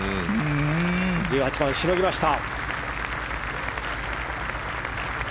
１８番、しのぎました。